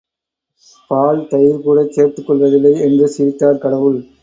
பால், தயிர் கூடச் சேர்த்துக் கொள்வதில்லை என்று சிரித்தார் கடவுள்.